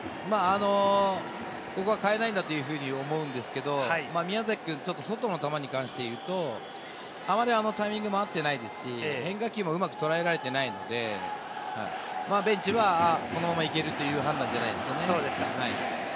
ここは代えないんだというふうに思うんですけれども、宮崎くん、外の球に関して言うと、あまりタイミングも合っていないですし、変化球もうまく捉えられていないので、ベンチはこのまま行けるという判断じゃないですかね。